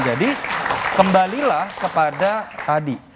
jadi kembalilah kepada adi